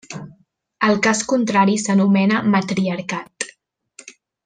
El cas contrari s'anomena matriarcat.